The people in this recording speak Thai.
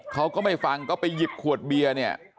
เขาก็ไม่ฟังก็ไปหยิบขวดเบียร์เนี่ย